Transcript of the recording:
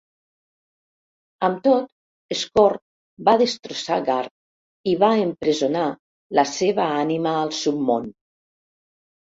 Amb tot, Skorne va destrossar Garm i va empresonar la seva ànima al Submón.